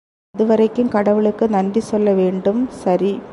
அதுவரைக்கும் கடவுளுக்கு நன்றி சொல்ல வேண்டும். சரி!